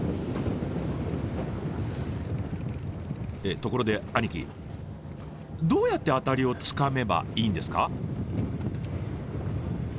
ところで兄貴どうやってアタリをつかめばいいんですか？